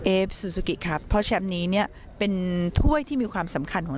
ฟซูซูกิครับเพราะแชมป์นี้เนี่ยเป็นถ้วยที่มีความสำคัญของ